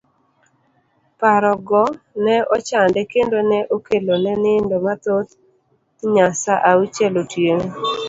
Parogo ne ochande kendo ne okelo ne nindo mathoth nya sa auchiel otieno.